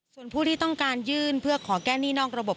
ส่วนผู้ที่ต้องการยื่นเพื่อขอแก้หนี้นอกระบบ